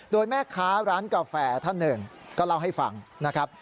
โดยแม่ค้าร้านกาแฟท่านหนึ่งก็เล่าให้ฟังนะครับ